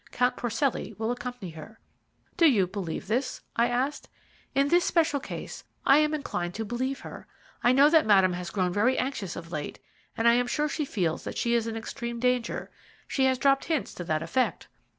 Count Porcelli will accompany her." "Do you believe this?" I asked. "In this special case I am inclined to believe her. I know that Madame has grown very anxious of late, and I am sure she feels that she is in extreme danger she has dropped hints to that effect.